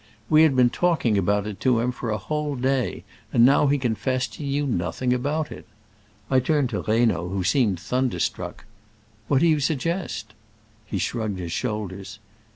We had been talk ing about it to him for a whole day, and now he confessed he knew nothing about it. I turned to Reynaud, who seemed thunderstruck :*' What do you suggest ?" He shrugged his shoulders.